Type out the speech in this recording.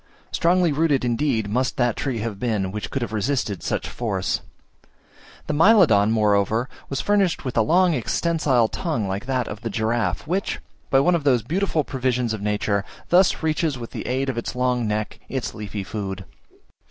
Strongly rooted, indeed, must that tree have been, which could have resisted such force! The Mylodon, moreover, was furnished with a long extensile tongue like that of the giraffe, which, by one of those beautiful provisions of nature, thus reaches with the aid of its long neck its leafy food.